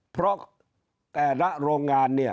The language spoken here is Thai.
เพราะแต่ละโรงงาน